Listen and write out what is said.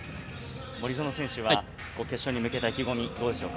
森薗選手は決勝に向けた意気込みどうでしょうか。